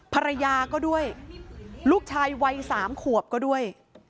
ภรรยาก็ด้วยลูกชายวัย๓ขวบก็ด้วย